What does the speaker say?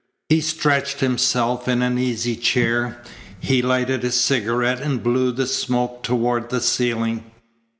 He stretched himself in an easy chair. He lighted a cigarette and blew the smoke toward the ceiling.